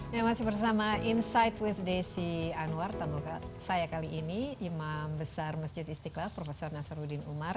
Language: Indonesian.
ya masih bersama insight with desi anwar temukan saya kali ini imam besar masjid istiqlal prof nasaruddin umar